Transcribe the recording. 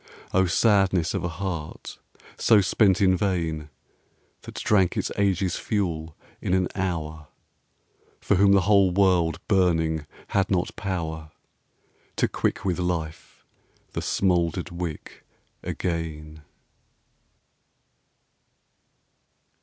O sadness of a heart so spent in vain, That drank its age's fuel in an hour: For whom the whole world burning had not power To quick with life the smouldered wick again!